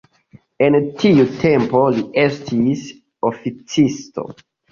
En tiu tempo li estis oficisto.